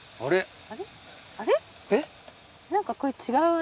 あれ？